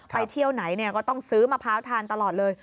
ไปเที่ยวไหนก็ต้องซื้อมะพร้าวทานตลอดเลย